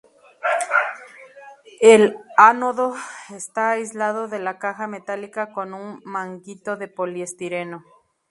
El ánodo está aislado de la caja metálica con un manguito de poliestireno.